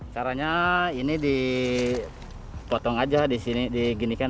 caranya ini dipotong aja disini diginikan